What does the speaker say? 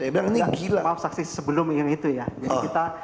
maaf saksi sebelum itu ya